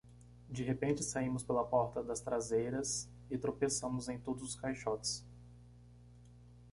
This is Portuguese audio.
de repente saímos pela porta das traseiras e tropeçamos em todos os caixotes